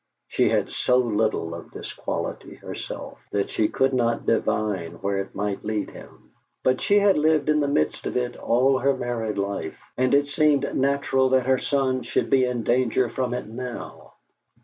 She had so little of this quality herself that she could not divine where it might lead him; but she had lived in the midst of it all her married life, and it seemed natural that her son should be in danger from it now.